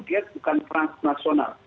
dia bukan transnasional